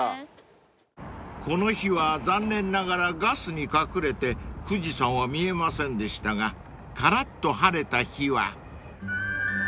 ［この日は残念ながらガスに隠れて富士山は見えませんでしたがからっと晴れた日は］